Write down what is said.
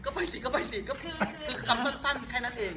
ก็ไปสิก็ไปสิก็คือคำสั้นแค่นั้นเอง